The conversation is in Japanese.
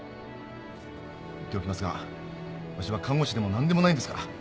言っておきますがわしは看護師でも何でもないんですから。